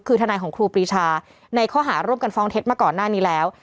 คือทนายของครูปรีชาในข้อหาร่วมกันฟ้องเท็จมาก่อนหน้านี้แล้ว